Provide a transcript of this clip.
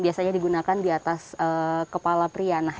ini adalah kain yang digunakan di atas kepala pria